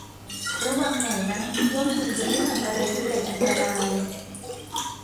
ระวังหน่อยนะว่าคุณจะไม่ทำอะไรที่เป็นอันตราย